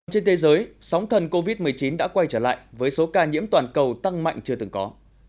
trên thế giới sóng thần covid một mươi chín đã quay trở lại với số ca nhiễm toàn cầu tăng mạnh chưa từng có